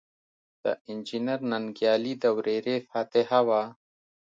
د انجنیر ننګیالي د ورېرې فاتحه وه.